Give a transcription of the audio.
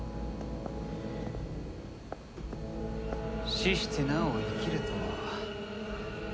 死してなお生きるとは。